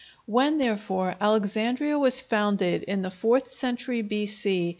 When, therefore, Alexandria was founded in the fourth century B.C.